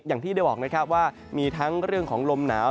อย่างที่ได้บอกนะครับว่ามีทั้งเรื่องของลมหนาว